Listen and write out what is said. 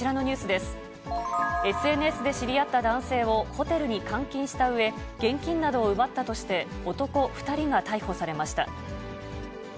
ＳＮＳで知り合った男性をホテルに監禁したうえ、現金などを奪ったとして、男２人が逮捕されました。